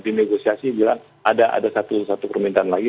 di negosiasi bilang ada satu satu permintaan lagi